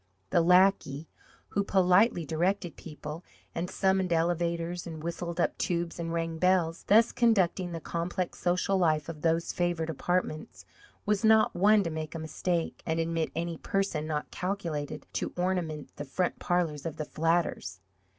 The lackey, who politely directed people, and summoned elevators, and whistled up tubes and rang bells, thus conducting the complex social life of those favoured apartments, was not one to make a mistake, and admit any person not calculated to ornament the front parlours of the flatters.